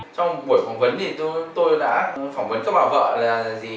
trong buổi phỏng vấn thì tôi đã phỏng vấn các bà vợ là